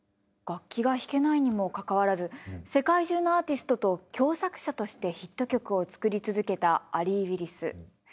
楽器が弾けないにもかかわらず世界中のアーティストと共作者としてヒット曲を作り続けたアリー・ウィリス。